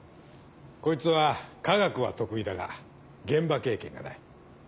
こいつは科学は得意だが現場経験がない。